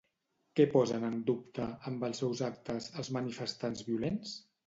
Què posen en dubte, amb els seus actes, els manifestants violents?